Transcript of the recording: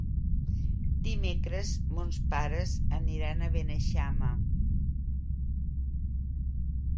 Dimecres mons pares aniran a Beneixama.